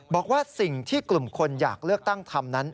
บอกว่าสิ่งที่กลุ่มคนอยากเลือกตั้งทำนั้น